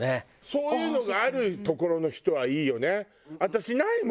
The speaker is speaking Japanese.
そういうのがある所の人はいいよね。